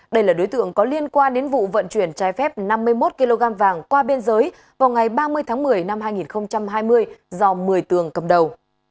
đây là đối tượng có liên quan đến vụ vận chuyển trái phép năm mươi một kg vàng qua biên giới vào ngày ba mươi tháng một mươi năm hai nghìn hai mươi do một mươi tường cầm đầu